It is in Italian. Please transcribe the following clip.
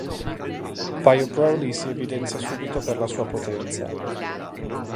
Bio-Broly si evidenzia subito per la sua potenza.